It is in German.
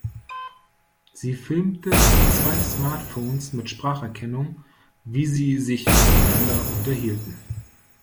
Sie filmte zwei Smartphones mit Spracherkennung, wie sie sich miteinander unterhielten.